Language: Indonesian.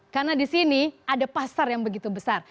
karena di sini ada pasar yang begitu besar